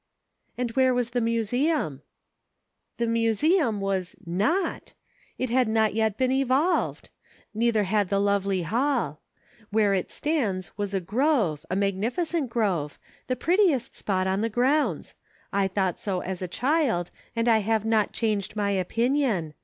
" And where was the museum ?"*' The museum was not ; it had not yet been * evolved.' Neither had the lovely hall.* Where it stands was a grove ; a magnificent grove ; the pret tiest spot on the grounds ; I thought so as a child, and have not changed my opinion.